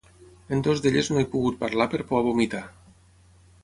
En dues d'elles no he pogut parlar per por a vomitar.